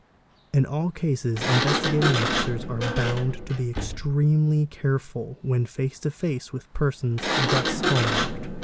os In all cases Investigating Officers are bound to be 'extremely careful When face to face with persons thus hall marked.